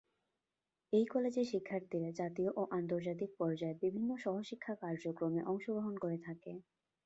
এই কলেজের শিক্ষার্থীরা জাতীয় ও আন্তর্জাতিক পর্যায়ে বিভিন্ন সহশিক্ষা কার্যক্রমে অংশগ্রহণ করে থাকে।